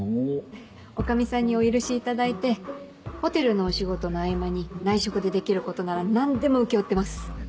女将さんにお許しいただいてホテルのお仕事の合間に内職でできることなら何でも請け負ってます。